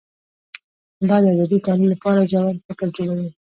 دا د ادبي تحلیل لپاره ژور فکر جوړوي.